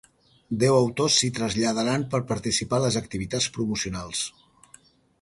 Deu autors s'hi traslladaran per participar a les activitats promocionals.